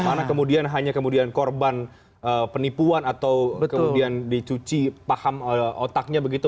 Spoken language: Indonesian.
mana kemudian hanya kemudian korban penipuan atau kemudian dicuci paham otaknya begitu